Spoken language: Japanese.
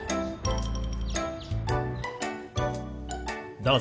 どうぞ。